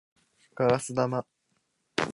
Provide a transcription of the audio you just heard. ガラス玉